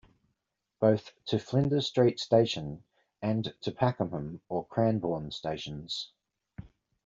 Both to Flinders Street station and to Pakenham or Cranbourne stations.